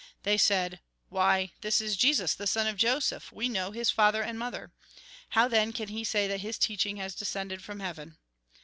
They said :" Why, this is Jesus, the son of Joseph ; we know his father and mother. How, then, can he say that his teaching has descended from heaven